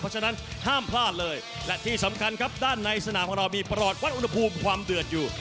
เพราะฉะนั้นห้ามพลาดเลยและที่สำคัญครับด้านในสนามของเรามีปลอดวัดอุณหภูมิความเดือดอยู่